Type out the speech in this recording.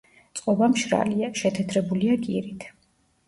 წყობა მშრალია, შეთეთრებულია კირით.